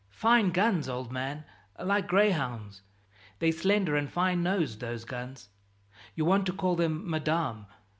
Fine guns, old man, like gray hounds. They're slender and fine nosed, those guns you want to call them 'Madame.'